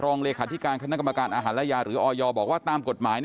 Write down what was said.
รองเลขาธิการคณะกรรมการอาหารและยาหรือออยบอกว่าตามกฎหมาย